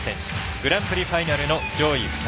グランプリファイナルの上位２人。